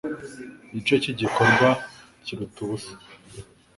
Igice cy'igikorwa cyiruta ubusa